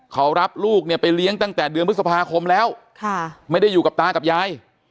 เขารับลูกเนี่ยไปเลี้ยงตั้งแต่เดือนพฤษภาคมแล้วไม่ได้อยู่กับตากับยาย